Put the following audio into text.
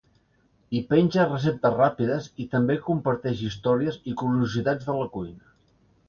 Hi penja receptes ràpides, i també hi comparteix històries i curiositats de la cuina.